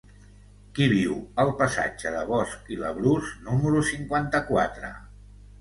Qui viu al passatge de Bosch i Labrús número cinquanta-quatre?